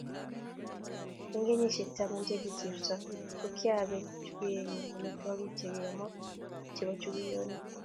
eng kenyisiek taman chekikosirto, ko kiabaen chukuyenyu omitwogik chekiyomo chebo chukuyoik